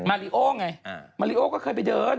ริโอไงมาริโอก็เคยไปเดิน